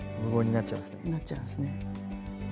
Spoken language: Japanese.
なっちゃいますね。